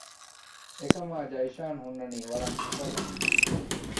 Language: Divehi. އެކަމާ ޖައިޝާން ހުންނަނީ ވަރަށް އުފަލުން